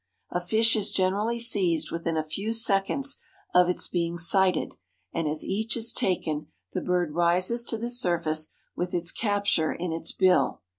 A fish is generally seized within a few seconds of its being sighted and as each is taken the bird rises to the surface with its capture in its bill.